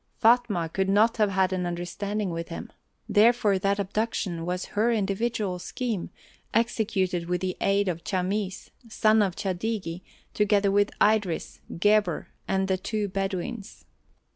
Fatma could not have had an understanding with him; therefore that abduction was her individual scheme, executed with the aid of Chamis, son of Chadigi, together with Idris, Gebhr, and the two Bedouins.